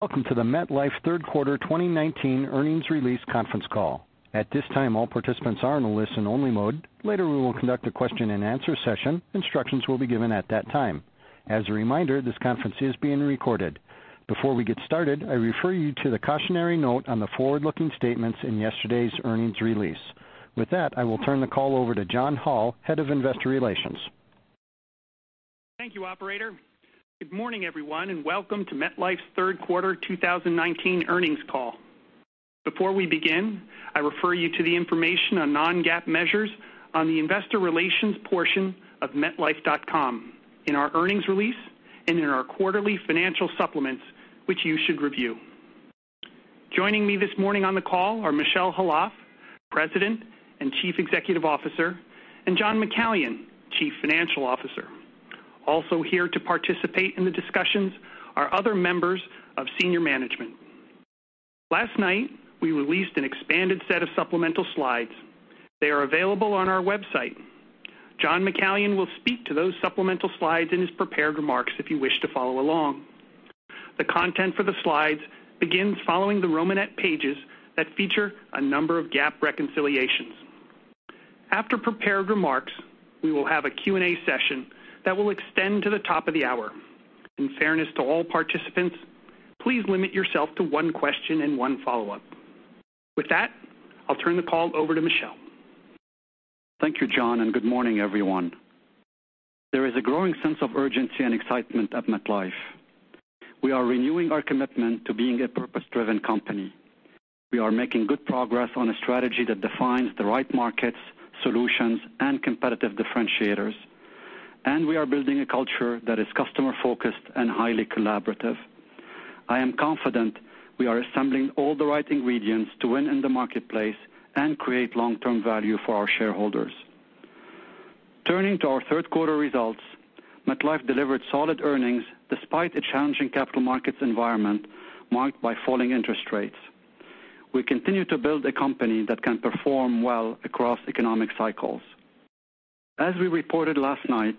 Welcome to the MetLife third quarter 2019 earnings release conference call. At this time, all participants are in a listen-only mode. Later, we will conduct a question-and-answer session. Instructions will be given at that time. As a reminder, this conference is being recorded. Before we get started, I refer you to the cautionary note on the forward-looking statements in yesterday's earnings release. With that, I will turn the call over to John Hall, Head of Investor Relations. Thank you, operator. Good morning, everyone, and welcome to MetLife's third quarter 2019 earnings call. Before we begin, I refer you to the information on non-GAAP measures on the investor relations portion of metlife.com, in our earnings release, and in our quarterly financial supplements, which you should review. Joining me this morning on the call are Michel Khalaf, President and Chief Executive Officer, and John McCallion, Chief Financial Officer. Also here to participate in the discussions are other members of senior management. Last night, we released an expanded set of supplemental slides. They are available on our website. John McCallion will speak to those supplemental slides in his prepared remarks if you wish to follow along. The content for the slides begins following the Romanette pages that feature a number of GAAP reconciliations. After prepared remarks, we will have a Q&A session that will extend to the top of the hour. In fairness to all participants, please limit yourself to one question and one follow-up. With that, I'll turn the call over to Michel. Thank you, John, and good morning, everyone. There is a growing sense of urgency and excitement at MetLife. We are renewing our commitment to being a purpose-driven company. We are making good progress on a strategy that defines the right markets, solutions, and competitive differentiators, and we are building a culture that is customer-focused and highly collaborative. I am confident we are assembling all the right ingredients to win in the marketplace and create long-term value for our shareholders. Turning to our third quarter results, MetLife delivered solid earnings despite a challenging capital markets environment marked by falling interest rates. We continue to build a company that can perform well across economic cycles. As we reported last night,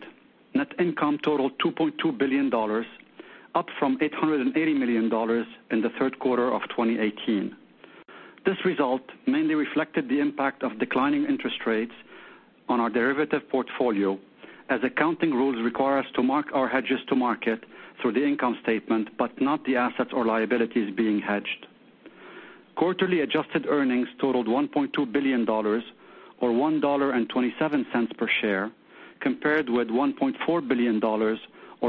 net income totaled $2.2 billion, up from $880 million in the third quarter of 2018. This result mainly reflected the impact of declining interest rates on our derivative portfolio, as accounting rules require us to mark our hedges to market through the income statement, but not the assets or liabilities being hedged. Quarterly adjusted earnings totaled $1.2 billion, or $1.27 per share, compared with $1.4 billion or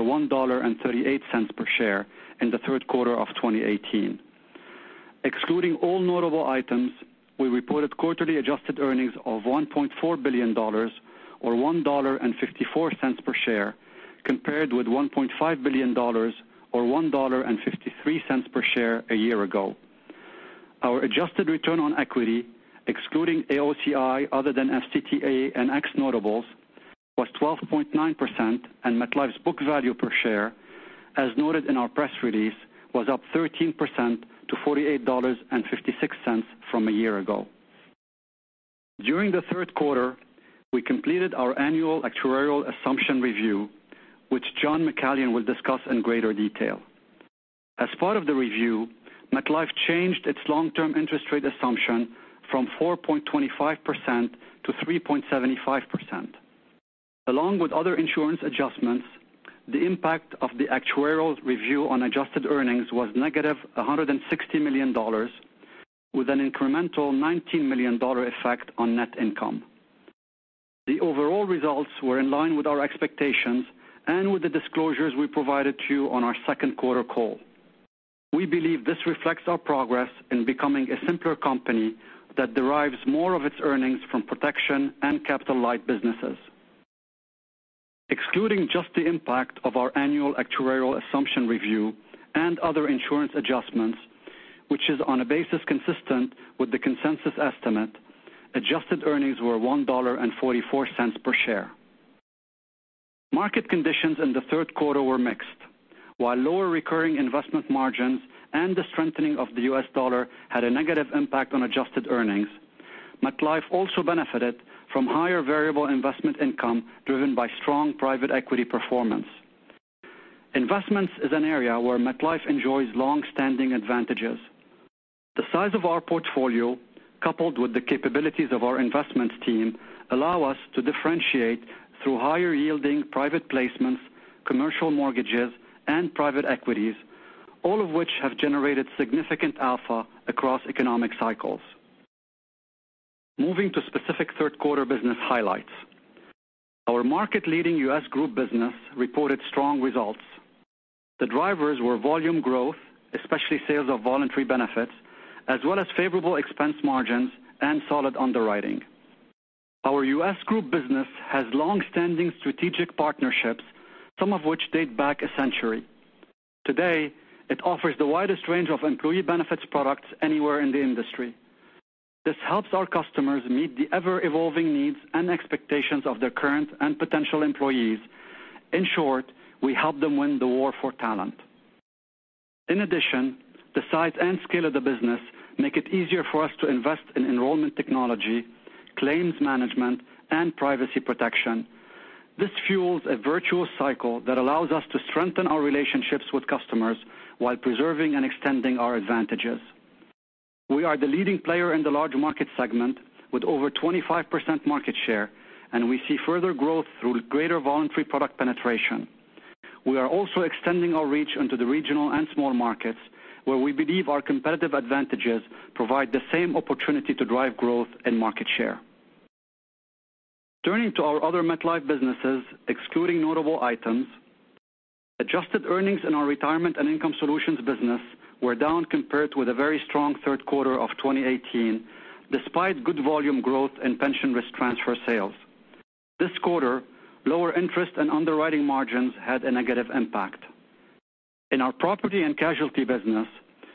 $1.38 per share in the third quarter of 2018. Excluding all notable items, we reported quarterly adjusted earnings of $1.4 billion or $1.54 per share, compared with $1.5 billion or $1.53 per share a year ago. Our adjusted return on equity, excluding AOCI other than FDTA and ex-notables, was 12.9%, and MetLife's book value per share, as noted in our press release, was up 13% to $48.56 from a year ago. During the third quarter, we completed our annual actuarial assumption review, which John McCallion will discuss in greater detail. As part of the review, MetLife changed its long-term interest rate assumption from 4.25% to 3.75%. Along with other insurance adjustments, the impact of the actuarial review on adjusted earnings was negative $160 million, with an incremental $19 million effect on net income. The overall results were in line with our expectations and with the disclosures we provided to you on our second quarter call. We believe this reflects our progress in becoming a simpler company that derives more of its earnings from protection and capital-light businesses. Excluding just the impact of our annual actuarial assumption review and other insurance adjustments, which is on a basis consistent with the consensus estimate, adjusted earnings were $1.44 per share. Market conditions in the third quarter were mixed. While lower recurring investment margins and the strengthening of the U.S. dollar had a negative impact on adjusted earnings, MetLife also benefited from higher variable investment income driven by strong private equity performance. Investments is an area where MetLife enjoys long-standing advantages. The size of our portfolio, coupled with the capabilities of our investments team, allow us to differentiate through higher-yielding private placements, commercial mortgages, and private equities, all of which have generated significant alpha across economic cycles. Moving to specific third quarter business highlights. Our market-leading U.S. Group business reported strong results. The drivers were volume growth, especially sales of voluntary benefits, as well as favorable expense margins and solid underwriting. Our U.S. Group business has long-standing strategic partnerships, some of which date back a century. Today, it offers the widest range of employee benefits products anywhere in the industry. This helps our customers meet the ever-evolving needs and expectations of their current and potential employees. In short, we help them win the war for talent. In addition, the size and scale of the business make it easier for us to invest in enrollment technology, claims management, and privacy protection. This fuels a virtuous cycle that allows us to strengthen our relationships with customers while preserving and extending our advantages. We are the leading player in the large market segment with over 25% market share, and we see further growth through greater voluntary product penetration. We are also extending our reach into the regional and small markets, where we believe our competitive advantages provide the same opportunity to drive growth and market share. Turning to our other MetLife businesses, excluding notable items, adjusted earnings in our retirement and income solutions business were down compared with a very strong third quarter of 2018, despite good volume growth in pension risk transfer sales. This quarter, lower interest and underwriting margins had a negative impact. In our property and casualty business,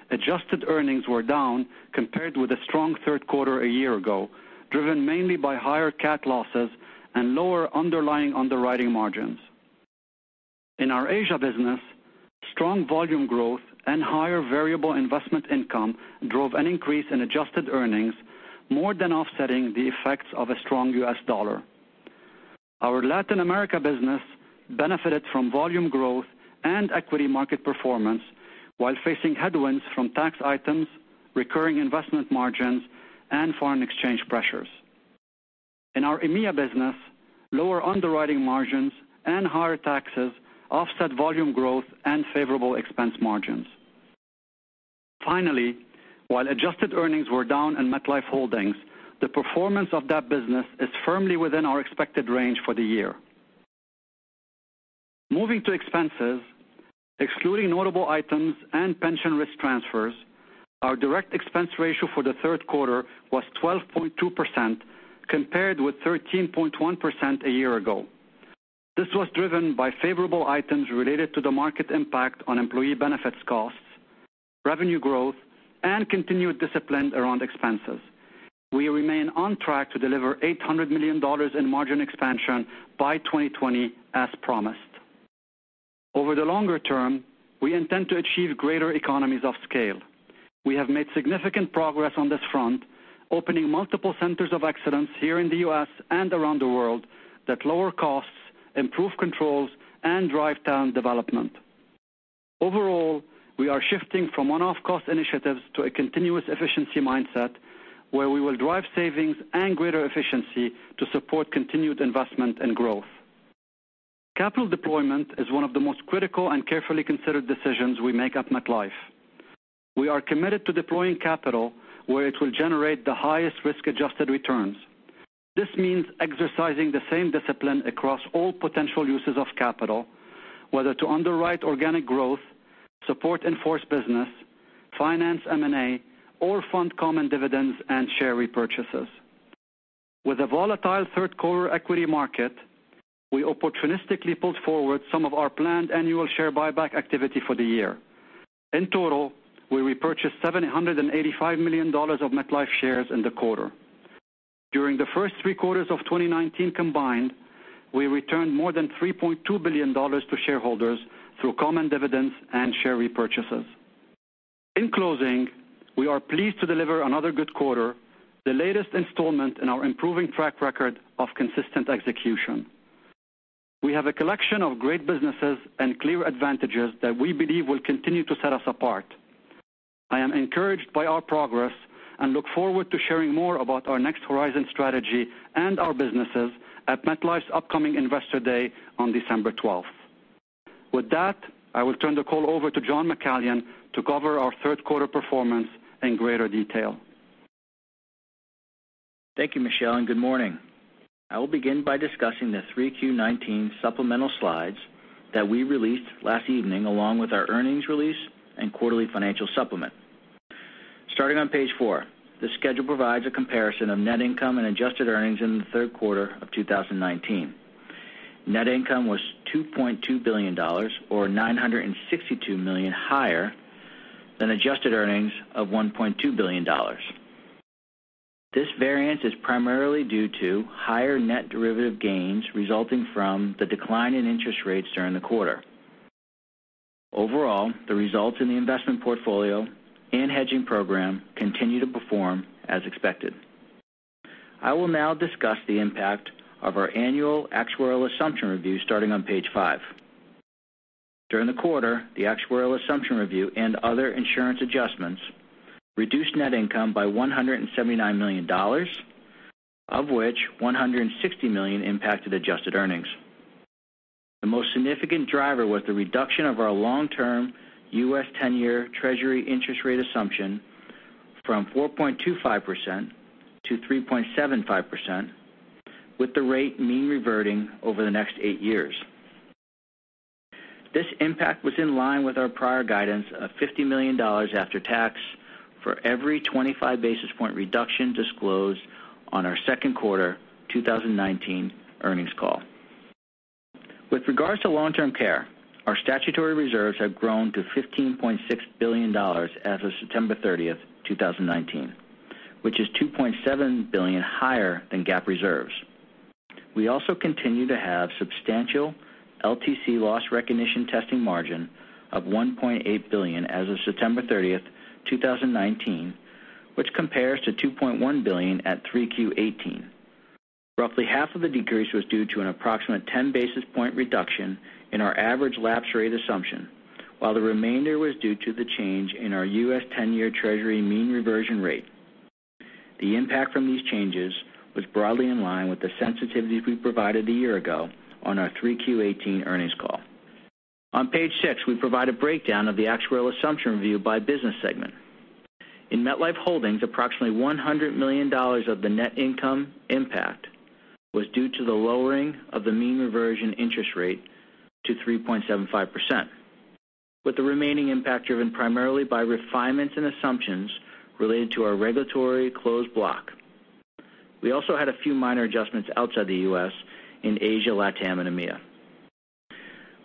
adjusted earnings were down compared with a strong third quarter a year ago, driven mainly by higher cat losses and lower underlying underwriting margins. In our Asia business, strong volume growth and higher variable investment income drove an increase in adjusted earnings, more than offsetting the effects of a strong U.S. dollar. Our Latin America business benefited from volume growth and equity market performance while facing headwinds from tax items, recurring investment margins, and foreign exchange pressures. In our EMEA business, lower underwriting margins and higher taxes offset volume growth and favorable expense margins. Finally, while adjusted earnings were down in MetLife Holdings, the performance of that business is firmly within our expected range for the year. Moving to expenses, excluding notable items and pension risk transfers, our direct expense ratio for the third quarter was 12.2%, compared with 13.1% a year ago. This was driven by favorable items related to the market impact on employee benefits costs, revenue growth, and continued discipline around expenses. We remain on track to deliver $800 million in margin expansion by 2020 as promised. Over the longer term, we intend to achieve greater economies of scale. We have made significant progress on this front, opening multiple centers of excellence here in the U.S. and around the world that lower costs, improve controls, and drive talent development. Overall, we are shifting from one-off cost initiatives to a continuous efficiency mindset, where we will drive savings and greater efficiency to support continued investment and growth. Capital deployment is one of the most critical and carefully considered decisions we make at MetLife. We are committed to deploying capital where it will generate the highest risk-adjusted returns. This means exercising the same discipline across all potential uses of capital, whether to underwrite organic growth, support in-force business, finance M&A, or fund common dividends and share repurchases. With a volatile third-quarter equity market, we opportunistically pulled forward some of our planned annual share buyback activity for the year. In total, we repurchased $785 million of MetLife shares in the quarter. During the first three quarters of 2019 combined, we returned more than $3.2 billion to shareholders through common dividends and share repurchases. In closing, we are pleased to deliver another good quarter, the latest installment in our improving track record of consistent execution. We have a collection of great businesses and clear advantages that we believe will continue to set us apart. I am encouraged by our progress and look forward to sharing more about our Next Horizon strategy and our businesses at MetLife's upcoming Investor Day on December 12th. With that, I will turn the call over to John McCallion to cover our third-quarter performance in greater detail. Thank you, Michel, and good morning. I will begin by discussing the 3Q19 supplemental slides that we released last evening, along with our earnings release and quarterly financial supplement. Starting on page four, the schedule provides a comparison of net income and adjusted earnings in the third quarter of 2019. Net income was $2.2 billion, or $962 million higher than adjusted earnings of $1.2 billion. This variance is primarily due to higher net derivative gains resulting from the decline in interest rates during the quarter. Overall, the results in the investment portfolio and hedging program continue to perform as expected. I will now discuss the impact of our annual actuarial assumption review starting on page five. During the quarter, the actuarial assumption review and other insurance adjustments reduced net income by $179 million, of which $160 million impacted adjusted earnings. The most significant driver was the reduction of our long-term U.S. 10-year Treasury interest rate assumption from 4.25% to 3.75%, with the rate mean reverting over the next eight years. This impact was in line with our prior guidance of $50 million after tax for every 25-basis-point reduction disclosed on our second quarter 2019 earnings call. With regards to long-term care, our statutory reserves have grown to $15.6 billion as of September 30th, 2019, which is $2.7 billion higher than GAAP reserves. We also continue to have substantial LTC loss recognition testing margin of $1.8 billion as of September 30th, 2019, which compares to $2.1 billion at 3Q18. Roughly half of the decrease was due to an approximate 10 basis points reduction in our average lapse rate assumption, while the remainder was due to the change in our U.S. 10-year Treasury mean reversion rate. The impact from these changes was broadly in line with the sensitivities we provided a year ago on our 3Q18 earnings call. On page six, we provide a breakdown of the actuarial assumption review by business segment. In MetLife Holdings, approximately $100 million of the net income impact was due to the lowering of the mean reversion interest rate to 3.75%, with the remaining impact driven primarily by refinements and assumptions related to our regulatory closed block. We also had a few minor adjustments outside the U.S. in Asia, LATAM, and EMEA.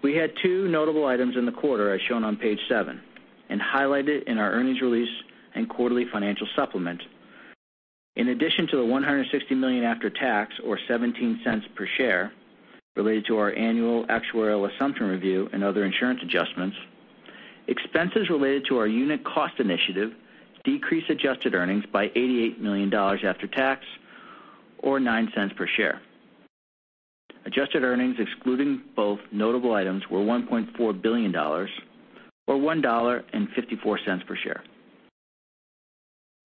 We had two notable items in the quarter as shown on page seven and highlighted in our earnings release and quarterly financial supplement. In addition to the $160 million after tax, or $0.17 per share, related to our annual actuarial assumption review and other insurance adjustments, expenses related to our unit cost initiative decreased adjusted earnings by $88 million after tax, or $0.09 per share. Adjusted earnings, excluding both notable items, were $1.4 billion, or $1.54 per share.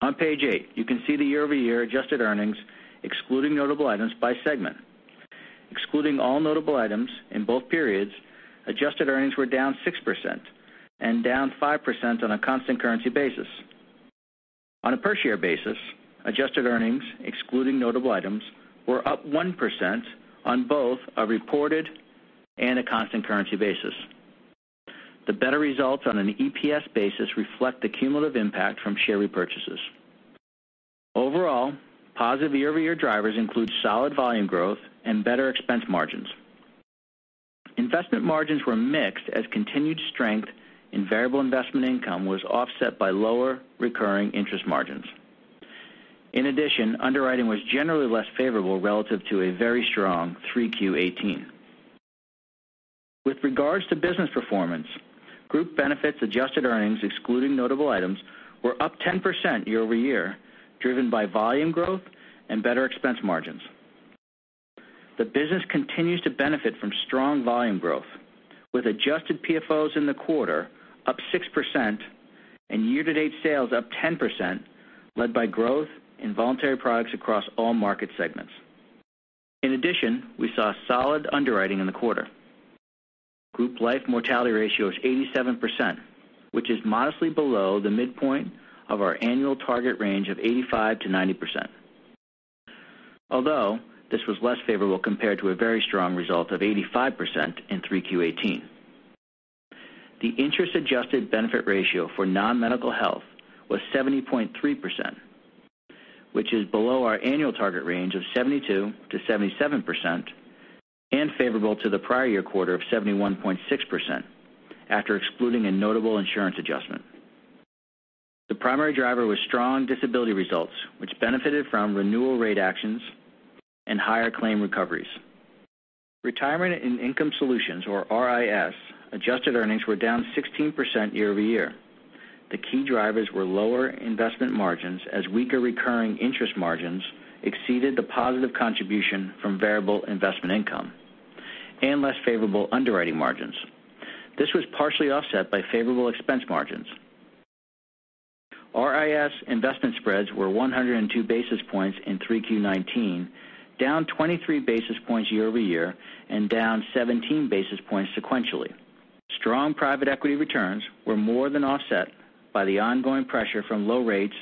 On page eight, you can see the year-over-year adjusted earnings excluding notable items by segment. Excluding all notable items in both periods, adjusted earnings were down 6% and down 5% on a constant currency basis. On a per share basis, adjusted earnings, excluding notable items, were up 1% on both a reported and a constant currency basis. The better results on an EPS basis reflect the cumulative impact from share repurchases. Overall, positive year-over-year drivers include solid volume growth and better expense margins. Investment margins were mixed as continued strength in variable investment income was offset by lower recurring interest margins. In addition, underwriting was generally less favorable relative to a very strong 3Q18. With regards to business performance, group benefits adjusted earnings, excluding notable items, were up 10% year-over-year, driven by volume growth and better expense margins. The business continues to benefit from strong volume growth, with adjusted PFOs in the quarter up 6% and year-to-date sales up 10%, led by growth in voluntary products across all market segments. In addition, we saw solid underwriting in the quarter. Group life mortality ratio is 87%, which is modestly below the midpoint of our annual target range of 85%-90%, although this was less favorable compared to a very strong result of 85% in 3Q18. The interest-adjusted benefit ratio for non-medical health was 70.3%, which is below our annual target range of 72%-77% and favorable to the prior year quarter of 71.6% after excluding a notable insurance adjustment. The primary driver was strong disability results, which benefited from renewal rate actions and higher claim recoveries. Retirement and Income Solutions, or RIS, adjusted earnings were down 16% year-over-year. The key drivers were lower investment margins, as weaker recurring interest margins exceeded the positive contribution from variable investment income and less favorable underwriting margins. This was partially offset by favorable expense margins. RIS investment spreads were 102 basis points in 3Q19, down 23 basis points year-over-year and down 17 basis points sequentially. Strong private equity returns were more than offset by the ongoing pressure from low rates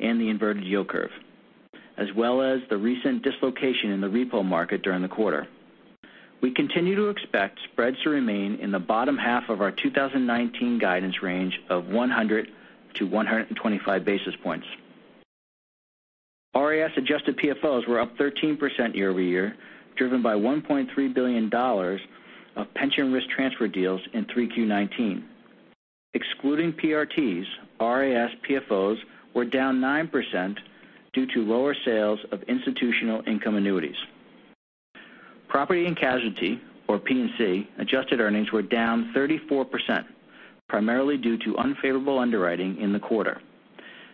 and the inverted yield curve, as well as the recent dislocation in the repo market during the quarter. We continue to expect spreads to remain in the bottom half of our 2019 guidance range of 100-125 basis points. RIS adjusted PFOs were up 13% year-over-year, driven by $1.3 billion of Pension Risk Transfer deals in 3Q19. Excluding PRTs, RIS PFOs were down 9% due to lower sales of institutional income annuities. Property and Casualty, or P&C, adjusted earnings were down 34%, primarily due to unfavorable underwriting in the quarter.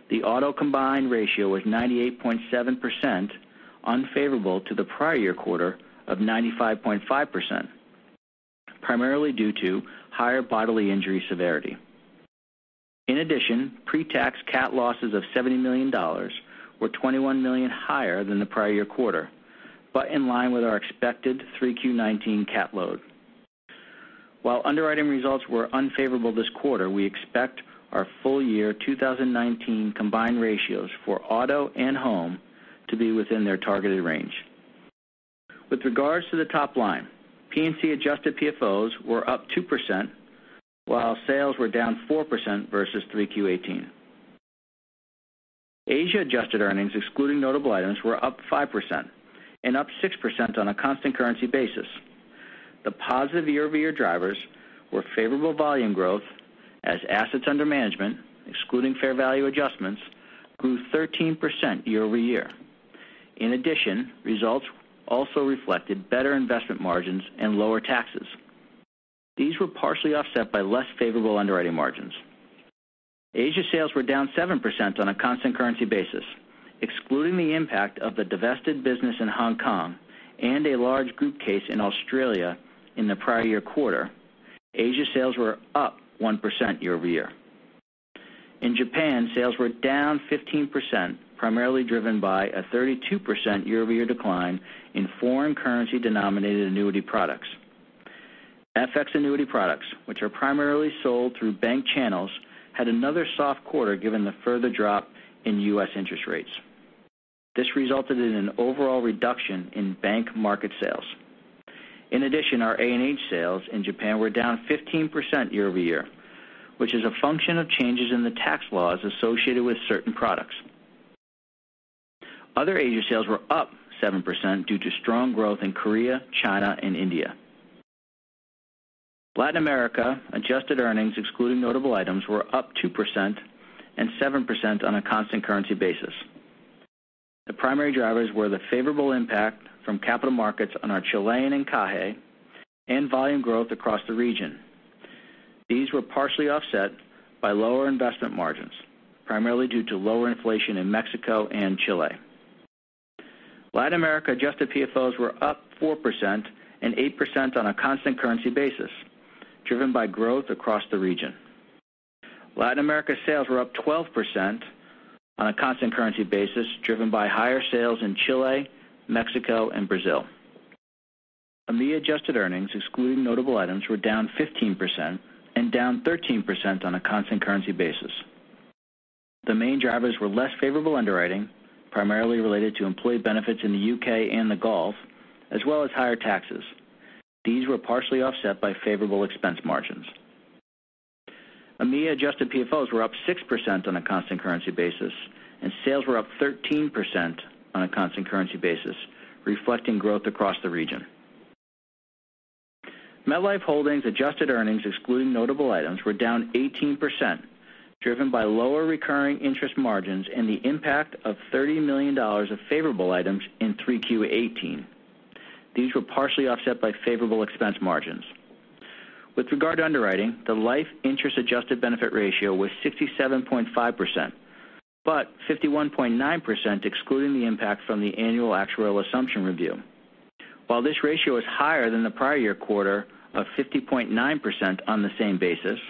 The auto combined ratio was 98.7%, unfavorable to the prior year quarter of 95.5%, primarily due to higher bodily injury severity. In addition, pre-tax cat losses of $70 million were $21 million higher than the prior year quarter, but in line with our expected 3Q19 cat load. While underwriting results were unfavorable this quarter, we expect our full year 2019 combined ratios for auto and home to be within their targeted range. With regards to the top line, P&C adjusted PFOs were up 2%, while sales were down 4% versus 3Q18. Asia adjusted earnings, excluding notable items, were up 5% and up 6% on a constant currency basis. The positive year-over-year drivers were favorable volume growth as assets under management, excluding fair value adjustments, grew 13% year-over-year. In addition, results also reflected better investment margins and lower taxes. These were partially offset by less favorable underwriting margins. Asia sales were down 7% on a constant currency basis, excluding the impact of the divested business in Hong Kong and a large group case in Australia in the prior year quarter. Asia sales were up 1% year-over-year. In Japan, sales were down 15%, primarily driven by a 32% year-over-year decline in foreign currency denominated annuity products. Fixed index annuity products, which are primarily sold through bank channels, had another soft quarter given the further drop in U.S. interest rates. This resulted in an overall reduction in bank market sales. In addition, our A&H sales in Japan were down 15% year-over-year, which is a function of changes in the tax laws associated with certain products. Other Asia sales were up 7% due to strong growth in Korea, China and India. Latin America adjusted earnings, excluding notable items, were up 2% and 7% on a constant currency basis. The primary drivers were the favorable impact from capital markets on our Chilean encaje, and volume growth across the region. These were partially offset by lower investment margins, primarily due to lower inflation in Mexico and Chile. Latin America adjusted PFOs were up 4% and 8% on a constant currency basis, driven by growth across the region. Latin America sales were up 12% on a constant currency basis, driven by higher sales in Chile, Mexico and Brazil. EMEA adjusted earnings, excluding notable items, were down 15% and down 13% on a constant currency basis. The main drivers were less favorable underwriting, primarily related to employee benefits in the U.K. and the Gulf, as well as higher taxes. These were partially offset by favorable expense margins. EMEA adjusted PFOs were up 6% on a constant currency basis, sales were up 13% on a constant currency basis, reflecting growth across the region. MetLife Holdings adjusted earnings, excluding notable items, were down 18%, driven by lower recurring interest margins and the impact of $30 million of favorable items in 3Q18. These were partially offset by favorable expense margins. With regard to underwriting, the life interest adjusted benefit ratio was 67.5%, but 51.9% excluding the impact from the annual actuarial assumption review. While this ratio is higher than the prior year quarter of 50.9% on the same basis,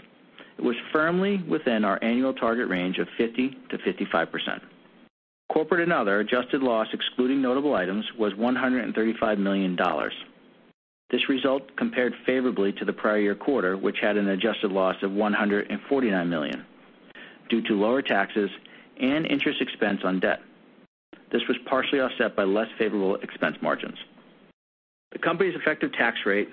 it was firmly within our annual target range of 50%-55%. Corporate and other adjusted loss, excluding notable items, was $135 million. This result compared favorably to the prior year quarter, which had an adjusted loss of $149 million due to lower taxes and interest expense on debt. This was partially offset by less favorable expense margins. The company's effective tax rate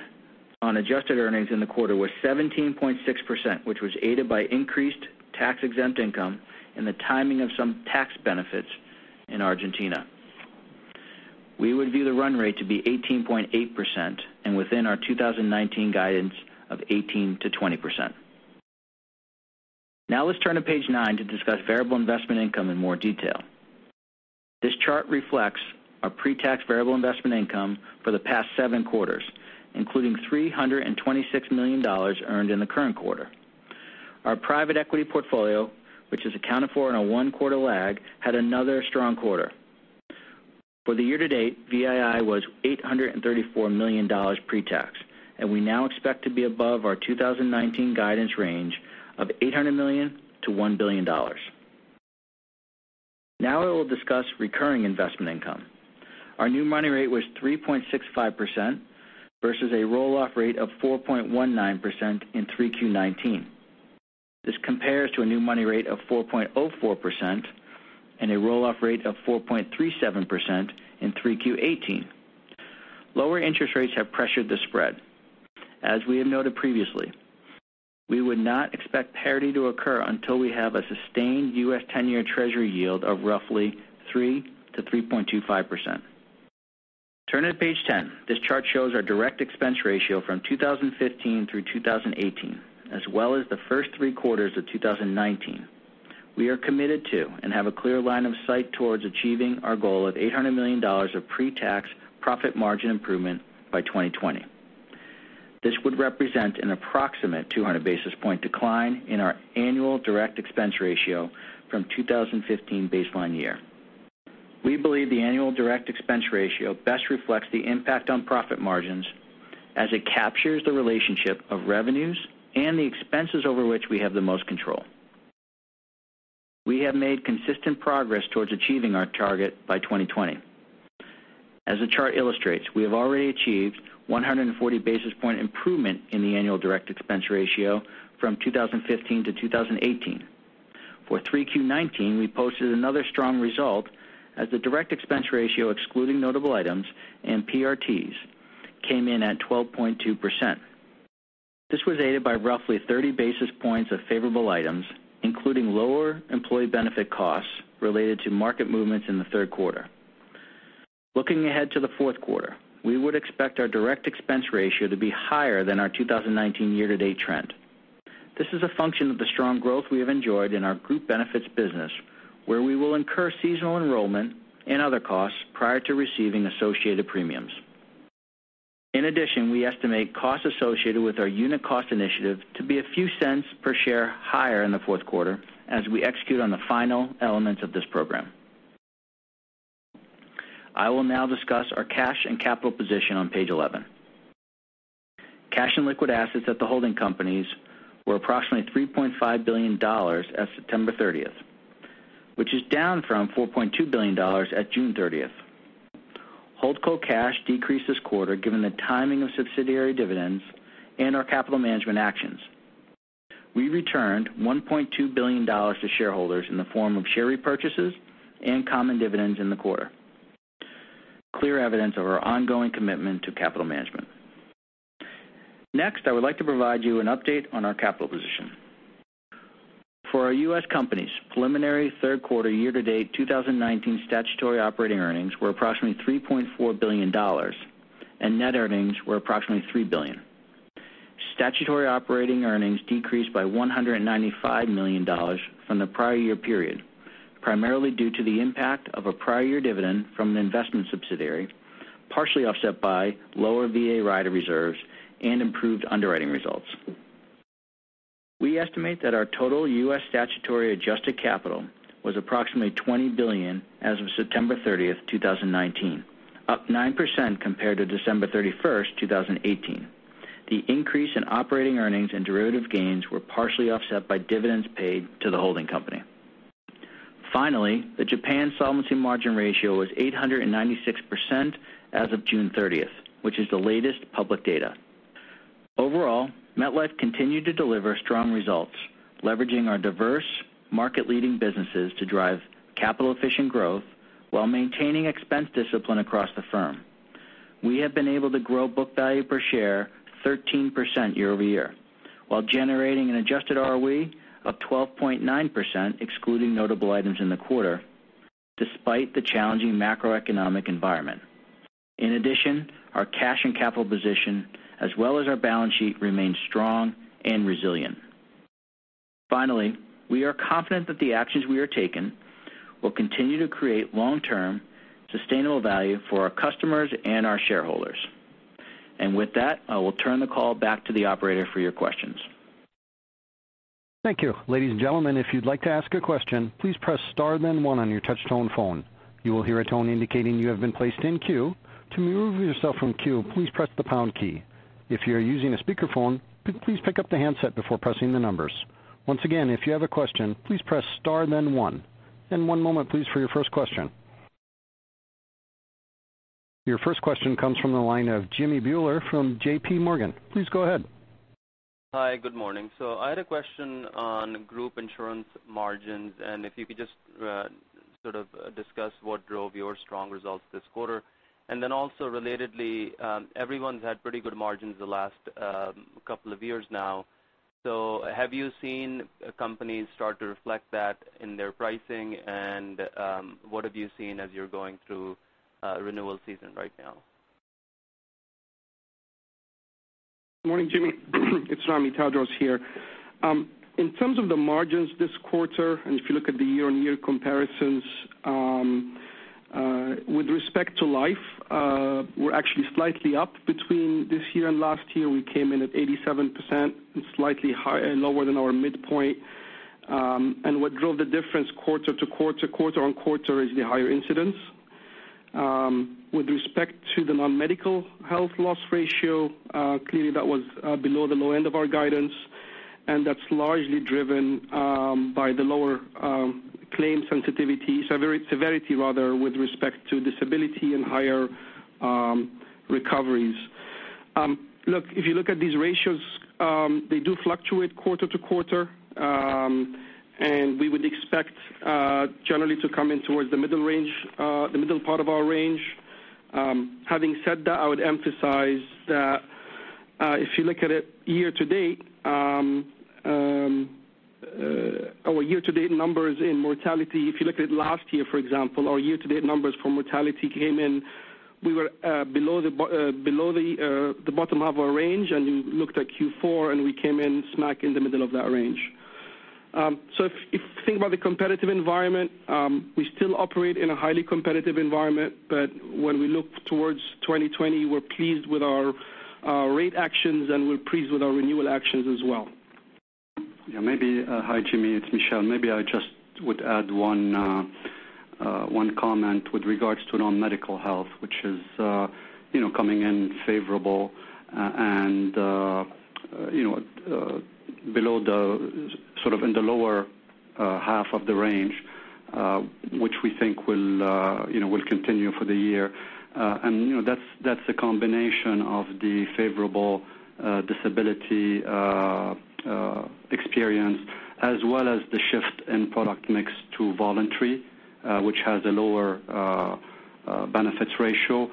on adjusted earnings in the quarter was 17.6%, which was aided by increased tax-exempt income and the timing of some tax benefits in Argentina. We would view the run rate to be 18.8% and within our 2019 guidance of 18%-20%. Let's turn to page nine to discuss variable investment income in more detail. This chart reflects our pre-tax variable investment income for the past seven quarters, including $326 million earned in the current quarter. Our private equity portfolio, which is accounted for in a one quarter lag, had another strong quarter. For the year to date, VII was $834 million pre-tax, we now expect to be above our 2019 guidance range of $800 million-$1 billion. We will discuss recurring investment income. Our new money rate was 3.65% versus a roll-off rate of 4.19% in 3Q19. This compares to a new money rate of 4.04% and a roll-off rate of 4.37% in 3Q18. Lower interest rates have pressured the spread. As we have noted previously, we would not expect parity to occur until we have a sustained U.S. 10-year Treasury yield of roughly 3%-3.25%. Turning to page 10. This chart shows our direct expense ratio from 2015 through 2018, as well as the first three quarters of 2019. We are committed to and have a clear line of sight towards achieving our goal of $800 million of pre-tax profit margin improvement by 2020. This would represent an approximate 200 basis point decline in our annual direct expense ratio from 2015 baseline year. We believe the annual direct expense ratio best reflects the impact on profit margins as it captures the relationship of revenues and the expenses over which we have the most control. We have made consistent progress towards achieving our target by 2020. As the chart illustrates, we have already achieved 140 basis point improvement in the annual direct expense ratio from 2015 to 2018. For 3Q 2019, we posted another strong result as the direct expense ratio, excluding notable items and PRTs, came in at 12.2%. This was aided by roughly 30 basis points of favorable items, including lower employee benefit costs related to market movements in the third quarter. Looking ahead to the fourth quarter, we would expect our direct expense ratio to be higher than our 2019 year-to-date trend. This is a function of the strong growth we have enjoyed in our group benefits business, where we will incur seasonal enrollment and other costs prior to receiving associated premiums. In addition, we estimate costs associated with our unit cost initiative to be a few cents per share higher in the fourth quarter as we execute on the final elements of this program. I will now discuss our cash and capital position on page 11. Cash and liquid assets at the holding companies were approximately $3.5 billion as September 30th, which is down from $4.2 billion at June 30th. Holdco cash decreased this quarter given the timing of subsidiary dividends and our capital management actions. We returned $1.2 billion to shareholders in the form of share repurchases and common dividends in the quarter. Clear evidence of our ongoing commitment to capital management. I would like to provide you an update on our capital position. For our U.S. companies, preliminary third quarter year-to-date 2019 statutory operating earnings were approximately $3.4 billion, and net earnings were approximately $3 billion. Statutory operating earnings decreased by $195 million from the prior year period, primarily due to the impact of a prior year dividend from an investment subsidiary, partially offset by lower VA rider reserves and improved underwriting results. We estimate that our total U.S. statutory adjusted capital was approximately $20 billion as of September 30th, 2019, up 9% compared to December 31st, 2018. The increase in operating earnings and derivative gains were partially offset by dividends paid to the holding company. The Japan solvency margin ratio was 896% as of June 30th, which is the latest public data. Overall, MetLife continued to deliver strong results, leveraging our diverse market-leading businesses to drive capital-efficient growth while maintaining expense discipline across the firm. We have been able to grow book value per share 13% year-over-year while generating an adjusted ROE of 12.9%, excluding notable items in the quarter, despite the challenging macroeconomic environment. Our cash and capital position as well as our balance sheet remains strong and resilient. We are confident that the actions we are taking will continue to create long-term sustainable value for our customers and our shareholders. With that, I will turn the call back to the operator for your questions. Thank you. Ladies and gentlemen, if you'd like to ask a question, please press star then one on your touch-tone phone. You will hear a tone indicating you have been placed in queue. To remove yourself from queue, please press the pound key. If you're using a speakerphone, please pick up the handset before pressing the numbers. Once again, if you have a question, please press star then one. One moment please for your first question. Your first question comes from the line of Jimmy Bhullar from JPMorgan. Please go ahead. Hi. Good morning. I had a question on group insurance margins, if you could just sort of discuss what drove your strong results this quarter. Also relatedly, everyone's had pretty good margins the last couple of years now. Have you seen companies start to reflect that in their pricing? What have you seen as you're going through renewal season right now? Morning, Jimmy. It's Ramy Tadros here. In terms of the margins this quarter, if you look at the year-on-year comparisons, with respect to life, we're actually slightly up between this year and last year. We came in at 87%, slightly lower than our midpoint. What drove the difference quarter to quarter on quarter is the higher incidence. With respect to the non-medical health loss ratio, clearly that was below the low end of our guidance, and that's largely driven by the lower claim sensitivity, severity rather, with respect to disability and higher recoveries. Look, if you look at these ratios, they do fluctuate quarter to quarter, we would expect generally to come in towards the middle part of our range. Having said that, I would emphasize that if you look at it year-to-date, our year-to-date numbers in mortality, if you look at it last year, for example, our year-to-date numbers for mortality came in, we were below the bottom of our range, and you looked at Q4, and we came in smack in the middle of that range. If you think about the competitive environment, we still operate in a highly competitive environment. When we look towards 2020, we're pleased with our rate actions, and we're pleased with our renewal actions as well. Yeah, maybe. Hi, Jimmy. It's Michel. Maybe I just would add one comment with regards to non-medical health, which is coming in favorable and sort of in the lower half of the range, which we think will continue for the year. That's a combination of the favorable disability experience as well as the shift in product mix to voluntary, which has a lower benefits ratio.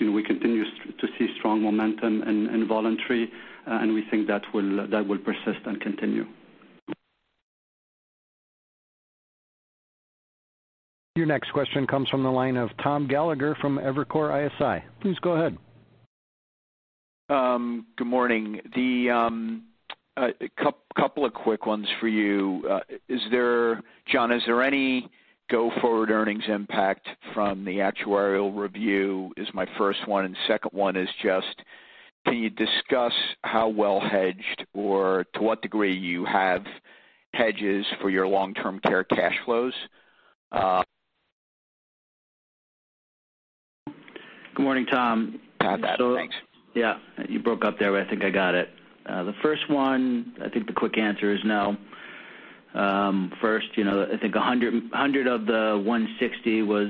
We continue to see strong momentum in voluntary, and we think that will persist and continue. Your next question comes from the line of Tom Gallagher from Evercore ISI. Please go ahead. Good morning. A couple of quick ones for you. John, is there any go-forward earnings impact from the actuarial review? Is my first one. Second one is just, can you discuss how well hedged or to what degree you have hedges for your long-term care cash flows? Good morning, Tom. Thanks. Yeah, you broke up there, but I think I got it. The first one, I think the quick answer is no. First, I think 100 of the 160 was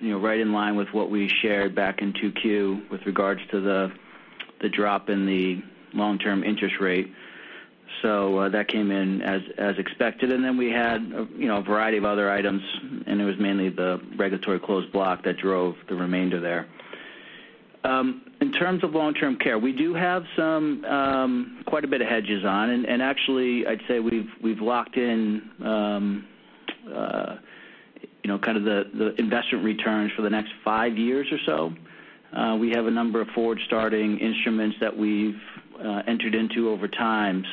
right in line with what we shared back in 2Q with regards to the drop in the long-term interest rate. That came in as expected, and then we had a variety of other items, and it was mainly the regulatory closed block that drove the remainder there. In terms of long-term care, we do have quite a bit of hedges on, and actually, I'd say we've locked in kind of the investment returns for the next five years or so. We have a number of forward starting instruments that we've entered into over time.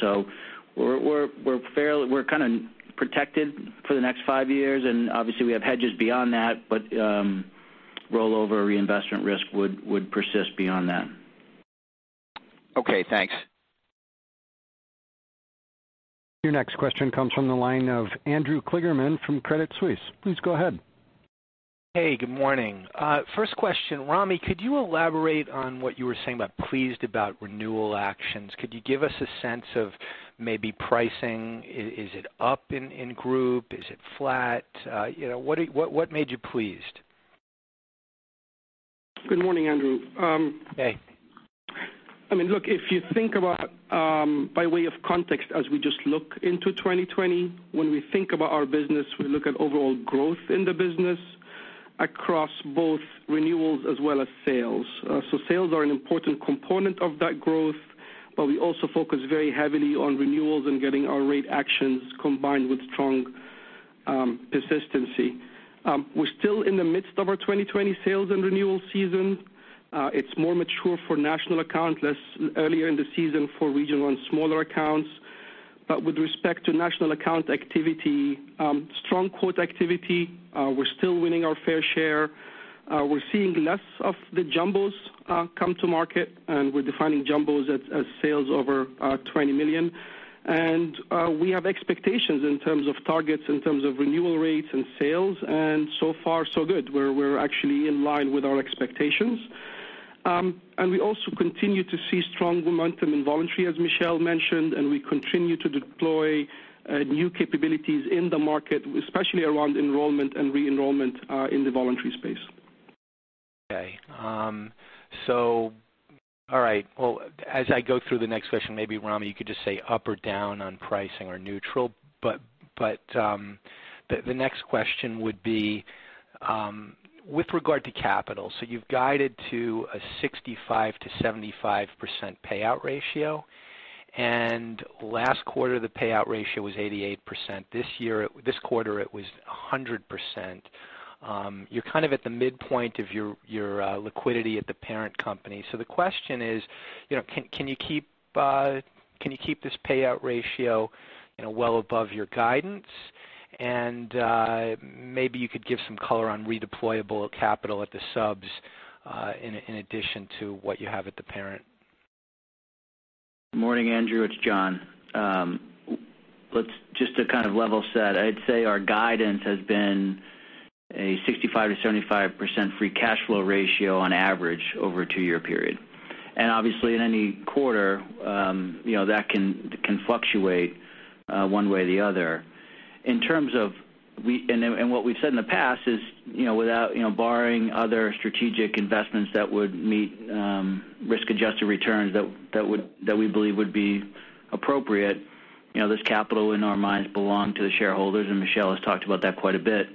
We're kind of protected for the next five years, and obviously, we have hedges beyond that, but rollover reinvestment risk would persist beyond that. Okay, thanks. Your next question comes from the line of Andrew Kligerman from Credit Suisse. Please go ahead. Hey, good morning. First question, Ramy, could you elaborate on what you were saying about pleased about renewal actions? Could you give us a sense of maybe pricing? Is it up in group? Is it flat? What made you pleased? Good morning, Andrew. Hey. I mean, look, if you think about by way of context, as we just look into 2020, when we think about our business, we look at overall growth in the business across both renewals as well as sales. Sales are an important component of that growth, but we also focus very heavily on renewals and getting our rate actions combined with strong persistency. We're still in the midst of our 2020 sales and renewal season. It's more mature for national account, less earlier in the season for regional and smaller accounts. With respect to national account activity, strong quote activity. We're still winning our fair share. We're seeing less of the jumbos come to market, and we're defining jumbos as sales over $20 million. We have expectations in terms of targets, in terms of renewal rates and sales, and so far, so good. We're actually in line with our expectations. We also continue to see strong momentum in voluntary, as Michel mentioned, and we continue to deploy new capabilities in the market, especially around enrollment and re-enrollment, in the voluntary space. Okay. All right, well, as I go through the next question, maybe Ramy, you could just say up or down on pricing or neutral. The next question would be, with regard to capital. You've guided to a 65%-75% payout ratio, and last quarter, the payout ratio was 88%. This quarter, it was 100%. You're kind of at the midpoint of your liquidity at the parent company. The question is, can you keep this payout ratio well above your guidance? Maybe you could give some color on redeployable capital at the subs, in addition to what you have at the parent. Morning, Andrew. It's John. Just to kind of level set, I'd say our guidance has been a 65%-75% free cash flow ratio on average over a two-year period. Obviously, in any quarter, that can fluctuate one way or the other. What we've said in the past is, barring other strategic investments that would meet risk-adjusted returns that we believe would be appropriate, this capital in our minds belong to the shareholders, and Michel has talked about that quite a bit.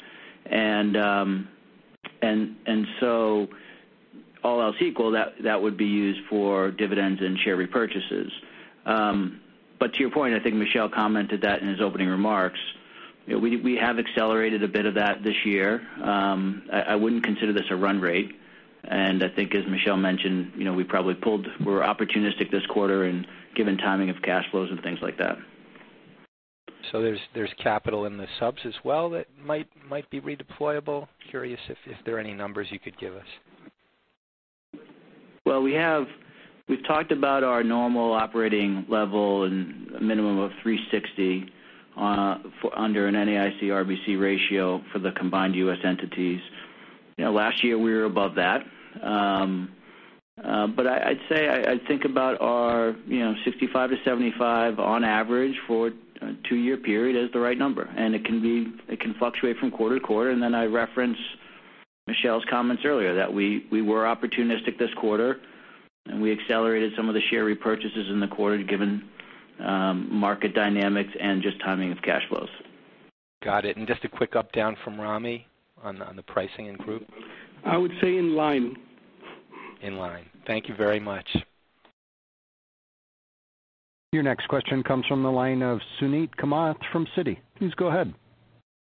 All else equal, that would be used for dividends and share repurchases. To your point, I think Michel commented that in his opening remarks, we have accelerated a bit of that this year. I wouldn't consider this a run rate, and I think as Michel mentioned, we're opportunistic this quarter and given timing of cash flows and things like that. There's capital in the subs as well that might be redeployable. Curious if there are any numbers you could give us. Well, we've talked about our normal operating level and a minimum of 360 under an NAIC RBC ratio for the combined U.S. entities. Last year, we were above that. I'd say I think about our 65-75 on average for a two-year period as the right number, and it can fluctuate from quarter to quarter. I reference Michel's comments earlier that we were opportunistic this quarter, and we accelerated some of the share repurchases in the quarter given market dynamics and just timing of cash flows. Got it. Just a quick up, down from Ramy on the pricing in group. I would say in line. In line. Thank you very much. Your next question comes from the line of Suneet Kamath from Citi. Please go ahead.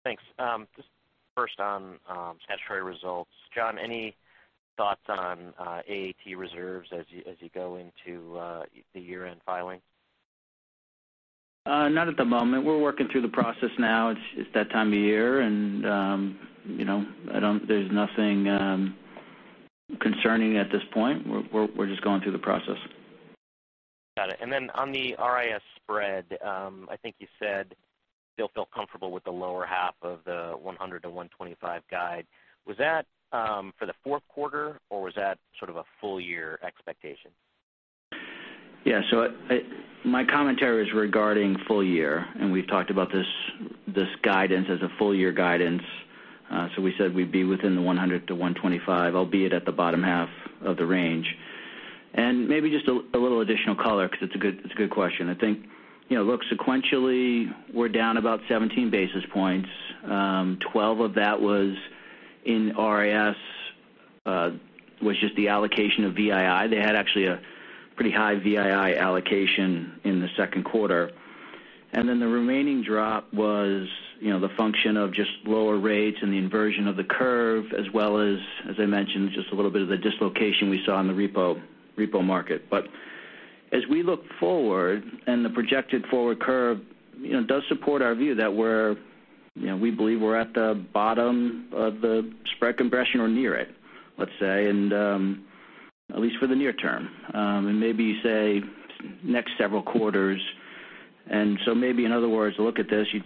Thanks. Just first on statutory results. John, any thoughts on AAT reserves as you go into the year-end filing? Not at the moment. We're working through the process now. It's that time of year, and there's nothing concerning at this point. We're just going through the process. Got it. Then on the RIS spread, I think you said you still feel comfortable with the lower half of the 100-125 guide. Was that for the fourth quarter, or was that sort of a full-year expectation? Yeah. My commentary is regarding full-year, and we've talked about this guidance as a full-year guidance. We said we'd be within the 100-125, albeit at the bottom half of the range. Maybe just a little additional color because it's a good question. I think, look, sequentially, we're down about 17 basis points. 12 of that was in RIS was just the allocation of VII. They had actually a pretty high VII allocation in the second quarter. Then the remaining drop was the function of just lower rates and the inversion of the curve as well as I mentioned, just a little bit of the dislocation we saw in the repo market. As we look forward, and the projected forward curve does support our view that we believe we're at the bottom of the spread compression or near it, let's say, at least for the near term, and maybe you say next several quarters. Maybe in other words, look at this, you'd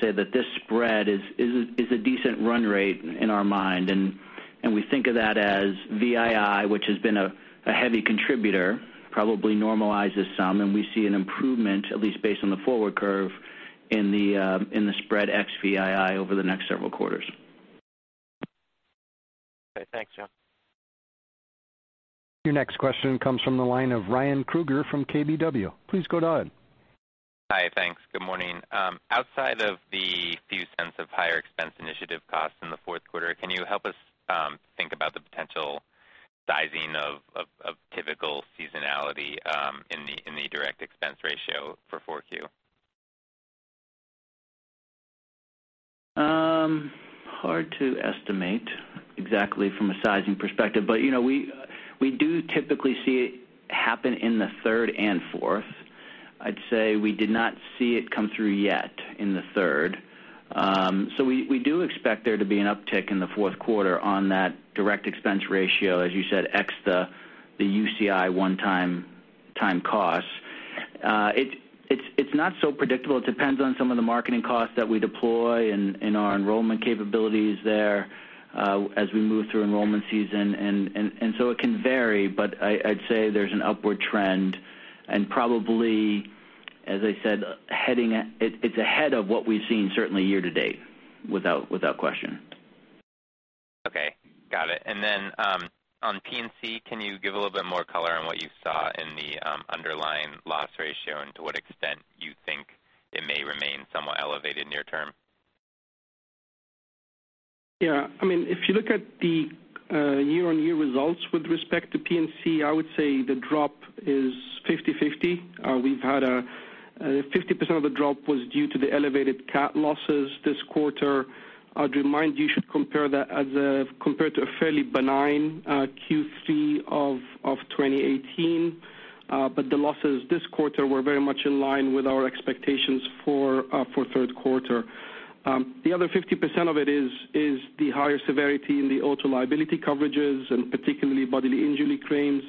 say that this spread is a decent run rate in our mind, and we think of that as VII, which has been a heavy contributor, probably normalizes some, and we see an improvement, at least based on the forward curve in the spread ex-VII over the next several quarters. Okay. Thanks, John. Your next question comes from the line of Ryan Krueger from KBW. Please go ahead. Hi. Thanks. Good morning. Outside of the few cents of higher expense initiative costs in the fourth quarter, can you help us think about the potential sizing of typical seasonality in the direct expense ratio for four Q? Hard to estimate exactly from a sizing perspective, we do typically see it happen in the third and fourth. I'd say we did not see it come through yet in the third. We do expect there to be an uptick in the fourth quarter on that direct expense ratio, as you said, ex the UCI one-time cost. It's not so predictable. It depends on some of the marketing costs that we deploy and our enrollment capabilities there as we move through enrollment season. It can vary, but I'd say there's an upward trend, and probably, as I said, it's ahead of what we've seen certainly year to date, without question. Okay. Got it. On P&C, can you give a little bit more color on what you saw in the underlying loss ratio and to what extent you think it may remain somewhat elevated near term? Yeah. If you look at the year-on-year results with respect to P&C, I would say the drop is 50/50. We've had 50% of the drop was due to the elevated cat losses this quarter. I'd remind you should compare that as compared to a fairly benign Q3 of 2018. The losses this quarter were very much in line with our expectations for third quarter. The other 50% of it is the higher severity in the auto liability coverages, and particularly bodily injury claims.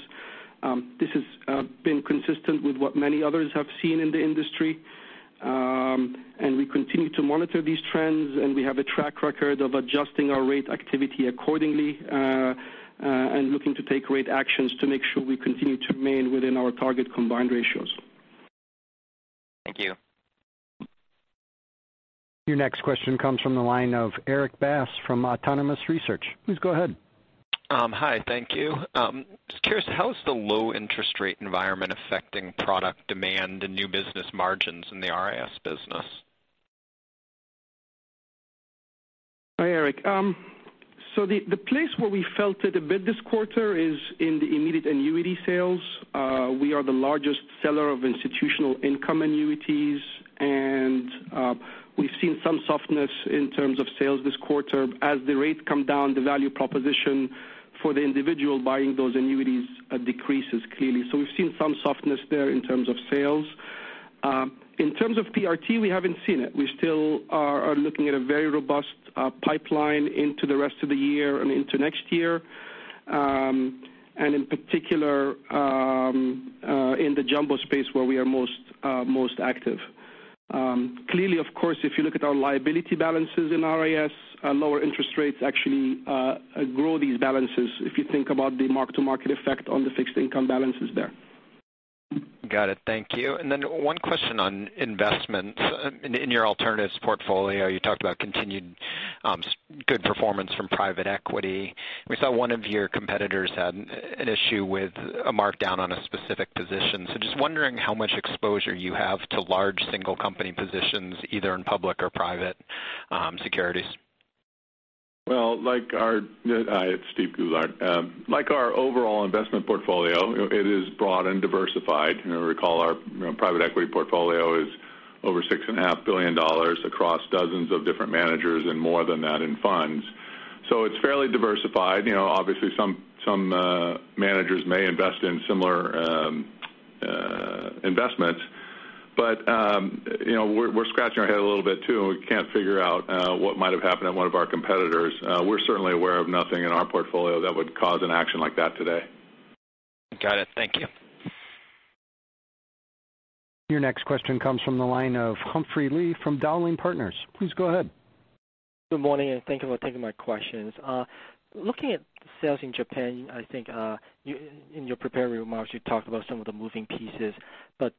This has been consistent with what many others have seen in the industry. We continue to monitor these trends, and we have a track record of adjusting our rate activity accordingly, and looking to take rate actions to make sure we continue to remain within our target combined ratios. Thank you. Your next question comes from the line of Erik Bass from Autonomous Research. Please go ahead. Hi. Thank you. Just curious, how is the low interest rate environment affecting product demand and new business margins in the RIS business? Hi, Erik. The place where we felt it a bit this quarter is in the immediate annuity sales. We are the largest seller of institutional income annuities, and we've seen some softness in terms of sales this quarter. As the rates come down, the value proposition for the individual buying those annuities decreases, clearly. We've seen some softness there in terms of sales. In terms of PRT, we haven't seen it. We still are looking at a very robust pipeline into the rest of the year and into next year. In particular, in the jumbo space where we are most active. Of course, if you look at our liability balances in RIS, lower interest rates actually grow these balances if you think about the mark-to-market effect on the fixed income balances there. Got it. Thank you. One question on investments. In your alternatives portfolio, you talked about continued good performance from private equity. We saw one of your competitors had an issue with a markdown on a specific position. Just wondering how much exposure you have to large single company positions, either in public or private securities. Well, it's Steve Goulart. Like our overall investment portfolio, it is broad and diversified. You may recall our private equity portfolio is over $6.5 billion across dozens of different managers and more than that in funds. It's fairly diversified. Obviously, some managers may invest in similar investments, we're scratching our head a little bit too, and we can't figure out what might have happened at one of our competitors. We're certainly aware of nothing in our portfolio that would cause an action like that today. Got it. Thank you. Your next question comes from the line of Humphrey Lee from Dowling & Partners. Please go ahead. Good morning, thank you for taking my questions. Looking at sales in Japan, I think in your prepared remarks, you talked about some of the moving pieces.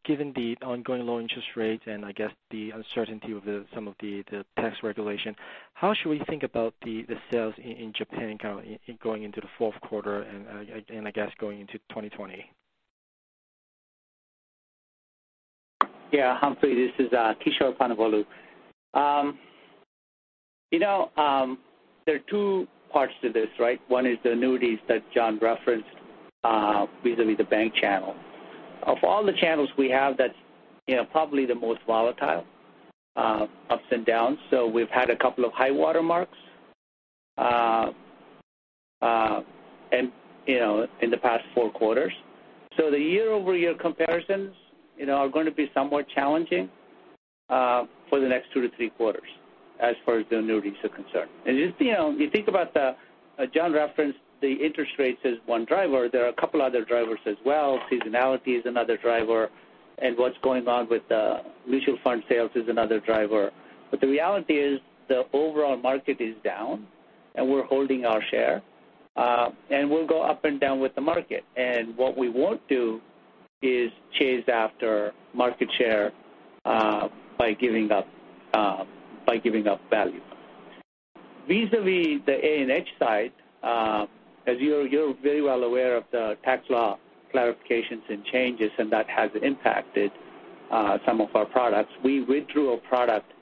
Given the ongoing low interest rates and I guess the uncertainty with some of the tax regulation, how should we think about the sales in Japan kind of going into the fourth quarter and I guess, going into 2020? Yeah, Humphrey, this is Kishore Ponnavolu. There are two parts to this, right? One is the annuities that John referenced vis-a-vis the bank channel. Of all the channels we have, that's probably the most volatile, ups and downs. We've had a couple of high water marks in the past 4 quarters. The year-over-year comparisons are going to be somewhat challenging for the next 2 to 3 quarters as far as the annuities are concerned. If you think about the, John referenced the interest rates as 1 driver, there are a couple other drivers as well. Seasonality is another driver, and what's going on with the mutual fund sales is another driver. The reality is the overall market is down, and we're holding our share. We'll go up and down with the market. What we won't do is chase after market share by giving up value. Vis-a-vis the A&H side, as you're very well aware of the tax law clarifications and changes, and that has impacted some of our products. We withdrew a product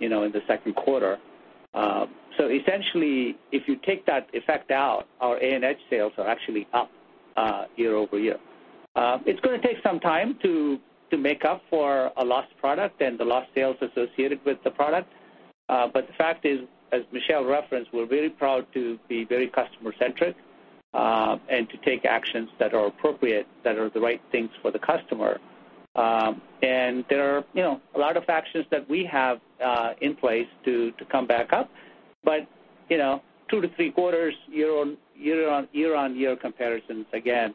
in the 2nd quarter. Essentially, if you take that effect out, our A&H sales are actually up year-over-year. It's going to take some time to make up for a lost product and the lost sales associated with the product. The fact is, as Michel referenced, we're very proud to be very customer-centric, and to take actions that are appropriate, that are the right things for the customer. There are a lot of actions that we have in place to come back up. 2 to 3 quarters year-on-year comparisons, again,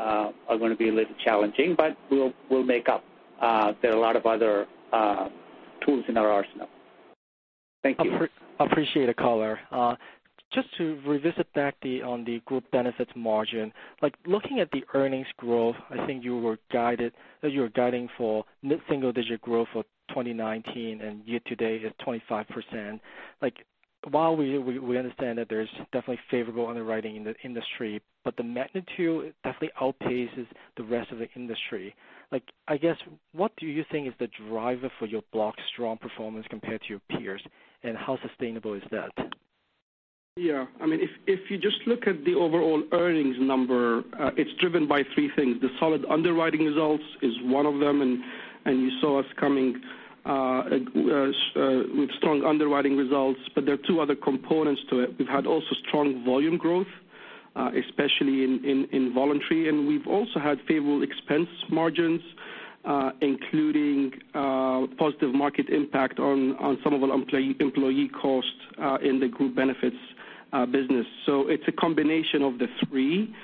are going to be a little challenging, but we'll make up. There are a lot of other tools in our arsenal. Thank you. Appreciate it, color. Just to revisit back on the group benefits margin, like looking at the earnings growth, I think you were guiding for mid-single digit growth for 2019, and year-to-date is 25%. While we understand that there's definitely favorable underwriting in the industry, the magnitude definitely outpaces the rest of the industry. I guess, what do you think is the driver for your block strong performance compared to your peers, and how sustainable is that? Yeah. If you just look at the overall earnings number, it's driven by three things. The solid underwriting results is one of them, and you saw us coming with strong underwriting results. There are two other components to it. We've had also strong volume growth, especially in voluntary, and we've also had favorable expense margins, including positive market impact on some of our employee costs in the group benefits business. It's a combination of the three.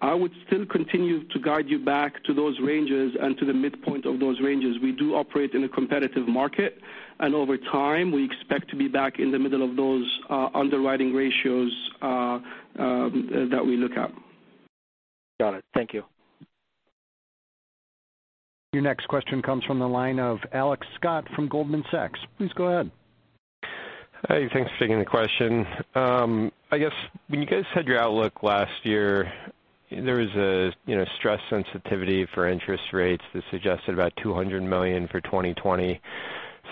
I would still continue to guide you back to those ranges and to the midpoint of those ranges. We do operate in a competitive market, and over time, we expect to be back in the middle of those underwriting ratios that we look at. Got it. Thank you. Your next question comes from the line of Alex Scott from Goldman Sachs. Please go ahead. Hey, thanks for taking the question. I guess when you guys had your outlook last year, there was a stress sensitivity for interest rates that suggested about $200 million for 2020.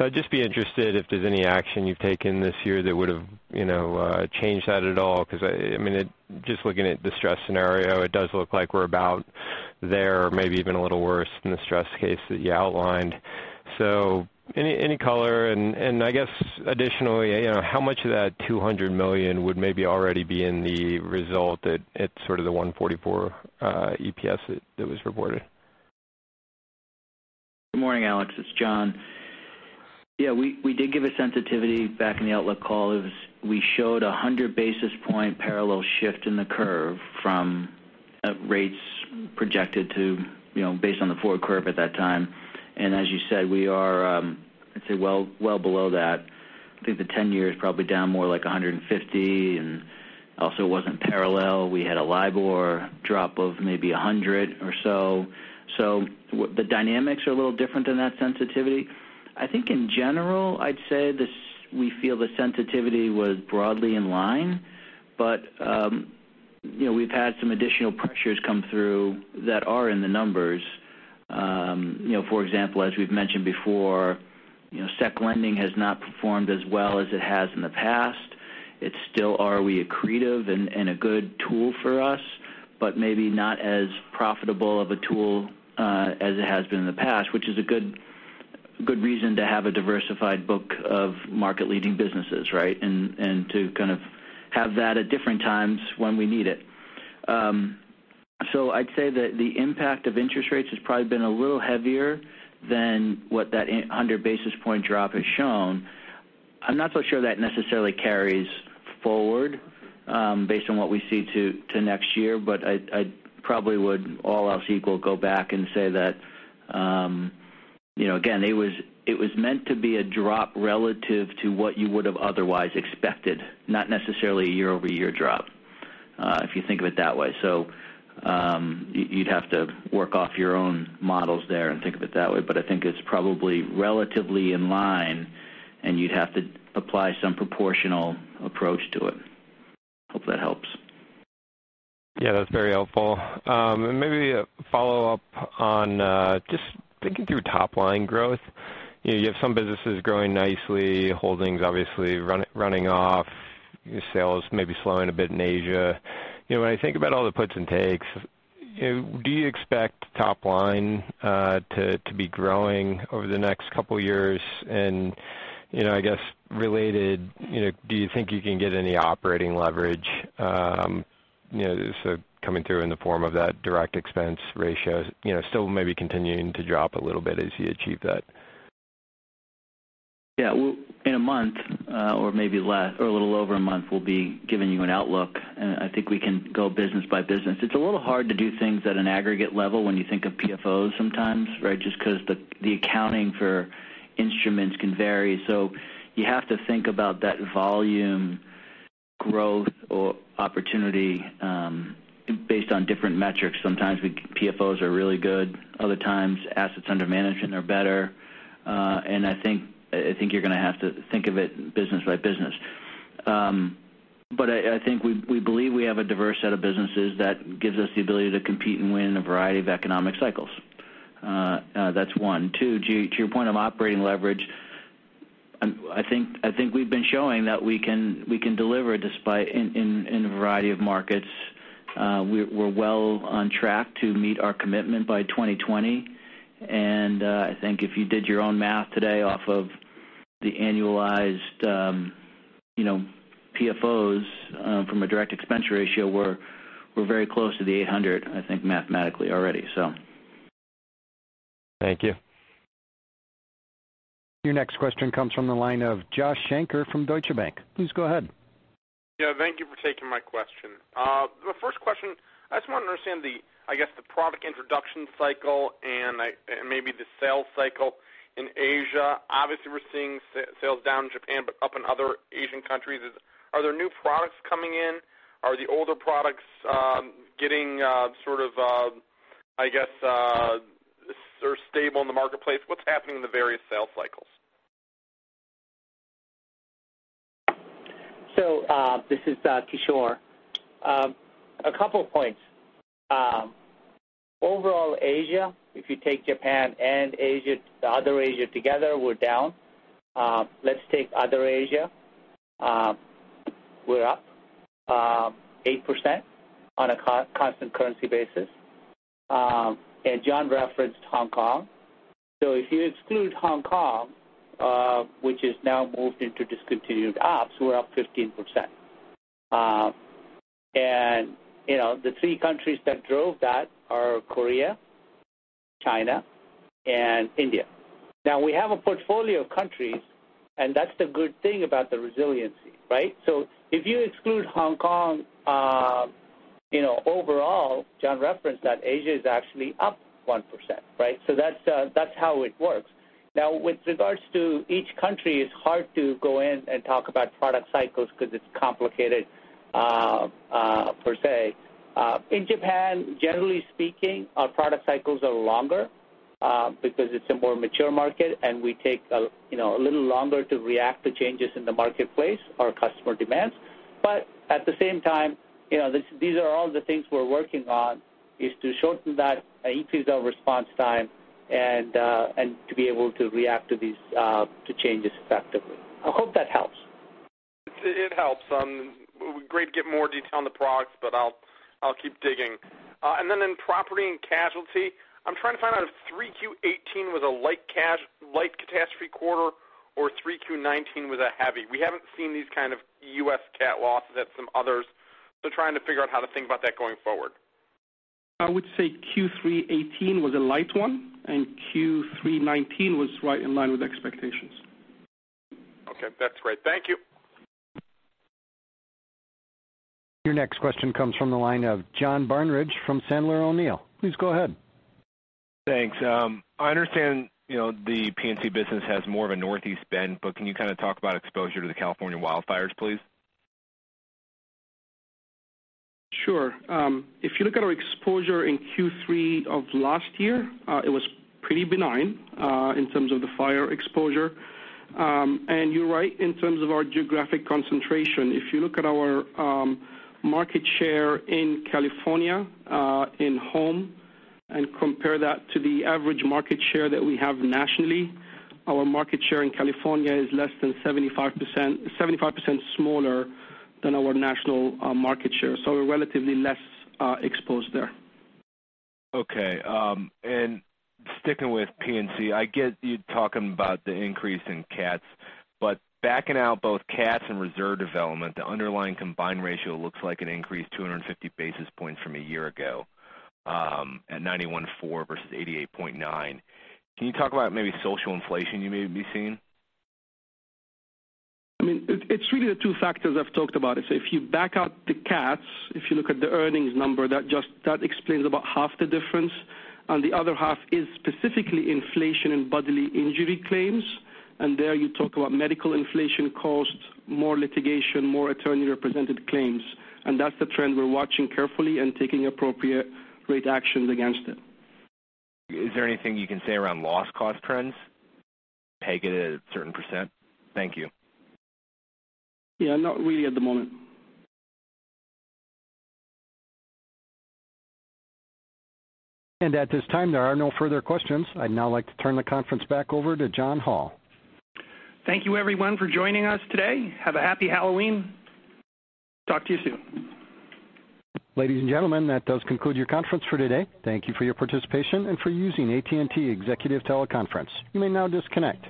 I'd just be interested if there's any action you've taken this year that would've changed that at all, because just looking at the stress scenario, it does look like we're about there or maybe even a little worse than the stress case that you outlined. Any color, and I guess additionally, how much of that $200 million would maybe already be in the result at sort of the 144 EPS that was reported? Good morning, Alex. It's John. Yeah, we did give a sensitivity back in the outlook call. We showed 100 basis point parallel shift in the curve from rates projected to based on the forward curve at that time. As you said, we are, I'd say, well below that. I think the 10-year is probably down more like 150, and also wasn't parallel. We had a LIBOR drop of maybe 100 or so. The dynamics are a little different than that sensitivity. I think in general, I'd say we feel the sensitivity was broadly in line, but we've had some additional pressures come through that are in the numbers For example, as we've mentioned before, Securities Lending has not performed as well as it has in the past. It still are accretive and a good tool for us, but maybe not as profitable of a tool as it has been in the past, which is a good reason to have a diversified book of market-leading businesses, right? To kind of have that at different times when we need it. I'd say that the impact of interest rates has probably been a little heavier than what that 100 basis point drop has shown. I'm not so sure that necessarily carries forward based on what we see to next year, but I probably would, all else equal, go back and say that, again, it was meant to be a drop relative to what you would have otherwise expected, not necessarily a year-over-year drop, if you think of it that way. You'd have to work off your own models there and think of it that way. I think it's probably relatively in line, and you'd have to apply some proportional approach to it. Hope that helps. Yeah, that's very helpful. Maybe a follow-up on just thinking through top-line growth. You have some businesses growing nicely, Holdings obviously running off, your sales maybe slowing a bit in Asia. When I think about all the puts and takes, do you expect top line to be growing over the next couple of years? I guess related, do you think you can get any operating leverage coming through in the form of that direct expense ratio still maybe continuing to drop a little bit as you achieve that? In a month, or maybe less, or a little over a month, we'll be giving you an outlook. I think we can go business by business. It's a little hard to do things at an aggregate level when you think of PFOs sometimes, right? Just because the accounting for instruments can vary. You have to think about that volume growth or opportunity based on different metrics. Sometimes PFOs are really good. Other times, assets under management are better. I think you're going to have to think of it business by business. I think we believe we have a diverse set of businesses that gives us the ability to compete and win in a variety of economic cycles. That's one. Two, to your point on operating leverage, I think we've been showing that we can deliver in a variety of markets. We're well on track to meet our commitment by 2020. I think if you did your own math today off of the annualized PFOs from a direct expense ratio, we're very close to the 800, I think, mathematically already. Thank you. Your next question comes from the line of Joshua Shanker from Deutsche Bank. Please go ahead. Yeah, thank you for taking my question. The first question, I just want to understand the, I guess, the product introduction cycle and maybe the sales cycle in Asia. Obviously, we're seeing sales down in Japan, but up in other Asian countries. Are there new products coming in? Are the older products getting sort of stable in the marketplace? What's happening in the various sales cycles? This is Kishore. A couple points. Overall Asia, if you take Japan and Asia, the other Asia together, we're down. Let's take other Asia. We're up 8% on a constant currency basis. John referenced Hong Kong. If you exclude Hong Kong, which is now moved into discontinued ops, we're up 15%. The three countries that drove that are Korea, China, and India. We have a portfolio of countries, and that's the good thing about the resiliency, right? If you exclude Hong Kong, overall, John referenced that Asia is actually up 1%, right? That's how it works. With regards to each country, it's hard to go in and talk about product cycles because it's complicated per se. In Japan, generally speaking, our product cycles are longer because it's a more mature market, and we take a little longer to react to changes in the marketplace or customer demands. At the same time, these are all the things we're working on is to shorten that and increase our response time and to be able to react to changes effectively. I hope that helps. It helps. It would be great to get more detail on the products, I'll keep digging. In property and casualty, I'm trying to find out if 3Q18 was a light catastrophe quarter or 3Q19 was a heavy. We haven't seen these kind of U.S. cat losses at some others, so trying to figure out how to think about that going forward. I would say 3Q18 was a light one, and 3Q19 was right in line with expectations. Okay. That's great. Thank you. Your next question comes from the line of John Barnidge from Sandler O'Neill. Please go ahead. Thanks. I understand the P&C business has more of a Northeast bend, but can you kind of talk about exposure to the California wildfires, please? Sure. If you look at our exposure in Q3 of last year, it was pretty benign in terms of the fire exposure. You're right in terms of our geographic concentration. If you look at our market share in California in home and compare that to the average market share that we have nationally, our market share in California is less than 75% smaller than our national market share. We're relatively less exposed there. Okay. Sticking with P&C, I get you talking about the increase in cats, but backing out both cats and reserve development, the underlying combined ratio looks like an increase 250 basis points from a year ago at 91.4 versus 88.9. Can you talk about maybe social inflation you may be seeing? I mean, it's really the two factors I've talked about. If you back out the cats, if you look at the earnings number, that explains about half the difference, and the other half is specifically inflation and bodily injury claims. There you talk about medical inflation costs, more litigation, more attorney-represented claims. That's the trend we're watching carefully and taking appropriate rate actions against it. Is there anything you can say around loss cost trends? Take it at a certain percent? Thank you. Yeah, not really at the moment. At this time, there are no further questions. I'd now like to turn the conference back over to John Hall. Thank you, everyone, for joining us today. Have a happy Halloween. Talk to you soon. Ladies and gentlemen, that does conclude your conference for today. Thank you for your participation and for using AT&T Executive Teleconference. You may now disconnect.